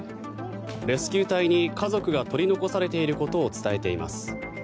レスキュー隊に家族が取り残されていることを伝えています。